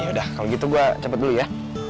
ya udah kalau gitu gue cepet dulu ya